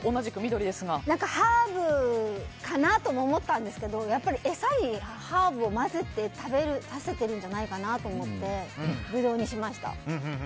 ハーブかなとも思ったんですけどやっぱり餌にハーブを混ぜて食べさせてるんじゃないかなと思ってブドウにしました。